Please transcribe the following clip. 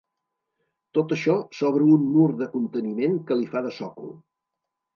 Tot això sobre un mur de conteniment que li fa de sòcol.